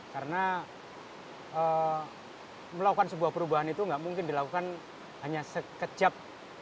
karena melakukan sebuah perubahan itu nggak mungkin dilakukan hanya sekejap